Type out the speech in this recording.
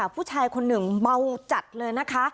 ผู้ชายคนหนึ่งเมาจัดเลยนะคะ